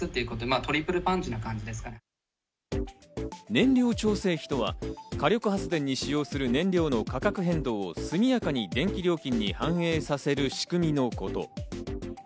燃料調整費とは火力発電に使用する燃料の価格変動を速やかに電気料金に反映させる仕組みのこと。